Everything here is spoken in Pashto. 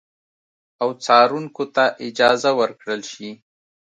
او څارونکو ته اجازه ورکړل شي